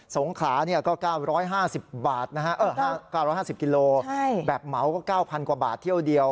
สวงขาก็๙๕๐กิโลบาทแบบเมาส์ก็๙๐๐๐กว่าบาทเที่ยวเดียว